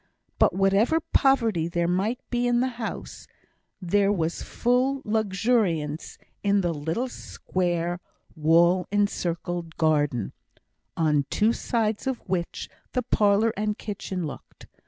But whatever poverty there might be in the house, there was full luxuriance in the little square wall encircled garden, on two sides of which the parlour and kitchen looked.